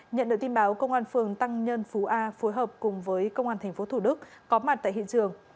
nhận được tin báo công an phường tăng nhân phú a phối hợp cùng với công an tp thủ đức có mặt tại hiện trường